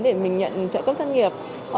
để mình nhận trợ cấp thân nghiệp